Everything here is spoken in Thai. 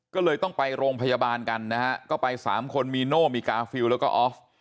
ก็เลยต้องไปโรงพยาบาลกันนะฮะก็ไปสามคนมีโน่มีกาฟิลแล้วก็ออฟ